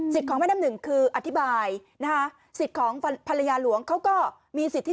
ของแม่น้ำหนึ่งคืออธิบายนะคะสิทธิ์ของภรรยาหลวงเขาก็มีสิทธิ